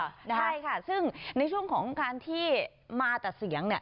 ใช่ค่ะซึ่งในช่วงของการที่มาแต่เสียงเนี่ย